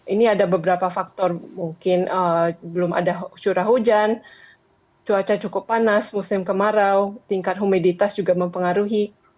ini ada beberapa faktor mungkin belum ada curah hujan cuaca cukup panas musim kemarau tingkat humeditas juga mempengaruhi